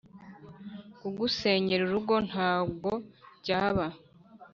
kugusenyera urugo ntabwo byaba